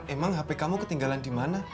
emang hp kamu ketinggalan di mana